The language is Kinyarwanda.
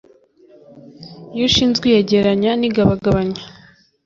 iyo ushinzwe iyegeranya n igabagabanya